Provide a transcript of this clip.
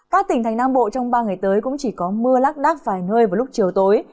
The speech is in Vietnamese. các tỉnh thành nam bộ trong ba ngày tới cũng chỉ có mưa lác đắc vài nơi vào lúc chiều tối